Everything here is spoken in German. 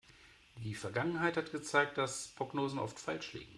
Die Vergangenheit hat gezeigt, dass Prognosen oft falsch liegen.